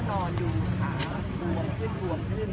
แล้วก็นอนอยู่ข้าบรวมขึ้น